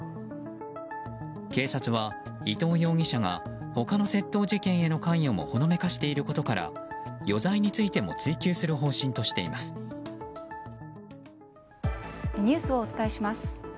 警察は伊藤容疑者が他の窃盗事件への関与もほのめかしていることから余罪についてもニュースをお伝えします。